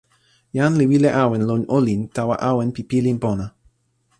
jan li wile awen lon olin tawa awen pi pilin pona.